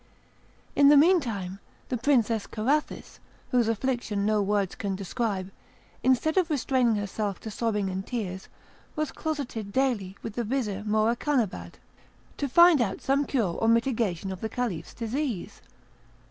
In the meantime the Princess Carathis, whose affliction no words can describe, instead of restraining herself to sobbing and tears, was closeted daily with the Vizir Morakanabad, to find out some cure or mitigation of the Caliph's disease.